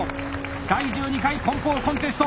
第１２回梱包コンテスト！